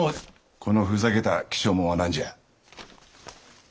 このふざけた起請文は何じゃ？